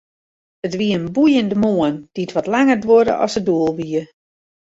It wie in boeiende moarn, dy't wat langer duorre as it doel wie.